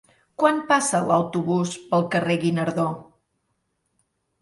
Quan passa l'autobús pel carrer Guinardó?